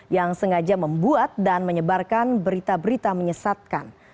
yang sengaja membuat dan menyebarkan berita berita menyesatkan